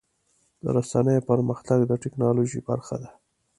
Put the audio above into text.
د رسنیو پرمختګ د ټکنالوژۍ برخه ده.